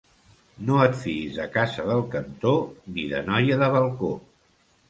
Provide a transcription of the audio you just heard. No et fiïs de casa del cantó ni de noia de balcó.